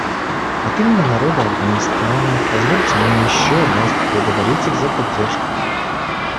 От имени народа Афганистана позвольте мне еще раз поблагодарить их за поддержку».